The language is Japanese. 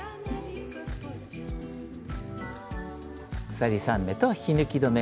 鎖３目と引き抜き止め